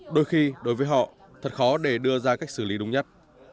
đôi khi đối với họ thật khó để đưa ra cách xử lý đúng nhất